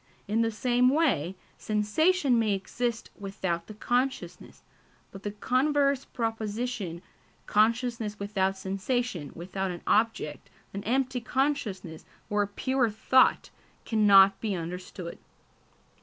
In the same way, sensation may exist without the consciousness; but the converse proposition, consciousness without sensation, without an object, an empty consciousness or a "pure thought," cannot be understood.